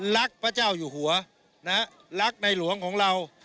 รักพระเจ้าหยุหัวนะรักในหลวงของเรา